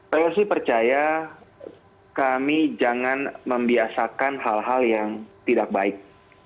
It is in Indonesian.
saya sih percaya kami jangan membiasakan hal hal yang tidak baik